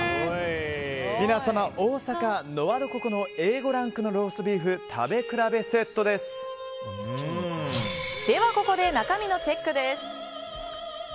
皆様、大阪のノワドココのＡ５ランクのローストビーフでは、ここで中身のチェックです。